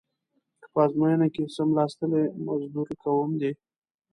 که په ازموینه کې څملاستلې مزدور کوم دې.